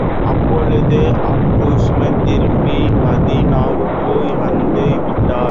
அப்பொழுது அபூபஸீரும் திரும்பி மதீனாவுக்கு வந்து விட்டார்.